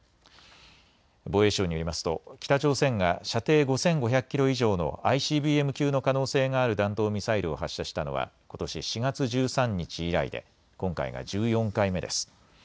防衛省によりますと北朝鮮が射程５５００キロ以上のＩＣＢＭ級の可能性がある弾道ミサイルを発射したのはことし４月１３日以来で今回が１４回目です。